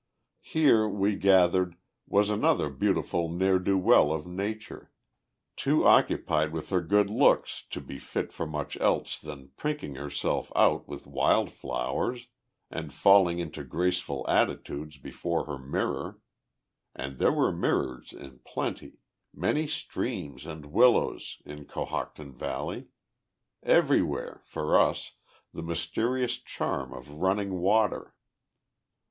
Here, we gathered, was another beautiful ne'er do well of Nature, too occupied with her good looks to be fit for much else than prinking herself out with wild flowers, and falling into graceful attitudes before her mirror and there were mirrors in plenty, many streams and willows, in Cohocton Valley; everywhere, for us, the mysterious charm of running water.